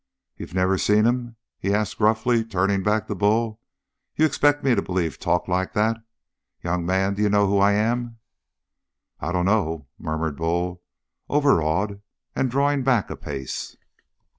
"You never seen him?" he asked gruffly, turning back to Bull. "You expect me to believe talk like that? Young man, d'you know who I am?" "I dunno," murmured Bull, overawed and drawing back a pace.